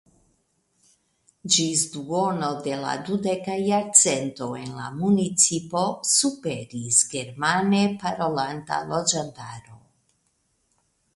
Ĝis duono de la dudeka jarcento en la municipo superis germane parolanta loĝantaro.